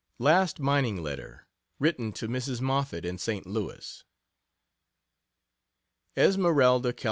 Last mining letter; written to Mrs. Moffett, in St. Louis: ESMERALDA, CAL.